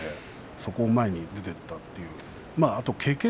そこを前に出ていったということですね。